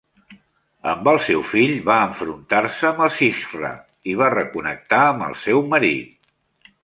Amb el seu fill, va enfrontar-se amb els hijra i va reconnectar amb el seu marit.